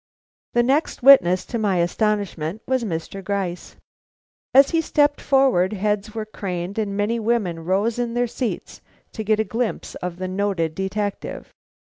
The next witness, to my astonishment, was Mr. Gryce. As he stepped forward, heads were craned and many women rose in their seats to get a glimpse of the noted detective.